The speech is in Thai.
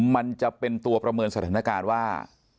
มันจะเป็นตัวประเมินสถานการณ์ว่า